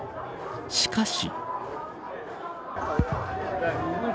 しかし。